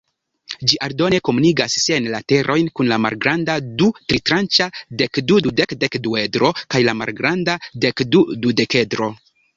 Ĝi aldone komunigas siajn laterojn kun la malgranda du-tritranĉa dekdu-dudek-dekduedro kaj la malgranda dekdu-dudekedro.